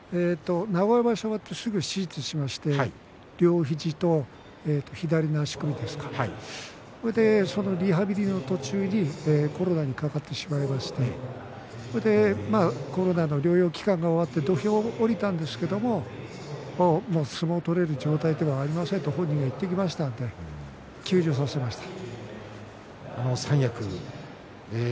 名古屋場所を終わってすぐ手術をしまして両肘と左の足首ですがそのリハビリの途中にコロナにかかってしまいましてコロナの療養期間が終わって土俵に下りたんですけれども相撲を取れる状態ではありませんと本人が言ってきたので休場させました。